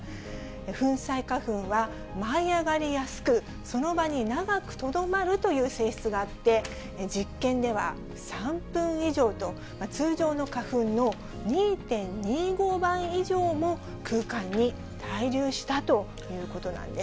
粉砕花粉は舞い上がりやすく、その場に長くとどまるという性質があって、実験では、３分以上と、通常の花粉の２．２５倍以上も空間に滞留したということなんです。